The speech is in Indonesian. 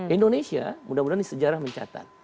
indonesia mudah mudahan di sejarah mencatat